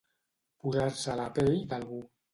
Posar-se a la pell d'algú.